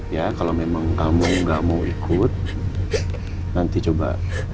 ya kalau memang kamu nggak mau ikut nanti coba